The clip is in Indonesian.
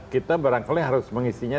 kita barangkali harus mengisinya